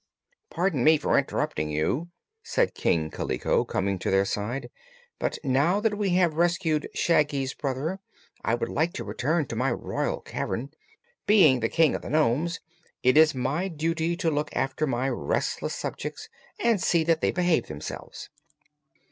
"Pardon me for interrupting you," said King Kaliko, coming to their side, "but now that we have rescued Shaggy's brother I would like to return to my royal cavern. Being the King of the Nomes, it is my duty to look after my restless subjects and see that they behave themselves."